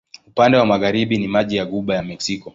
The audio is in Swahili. Upande wa magharibi ni maji wa Ghuba ya Meksiko.